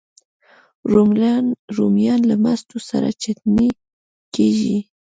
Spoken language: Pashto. رومیان له مستو سره چټني کېږي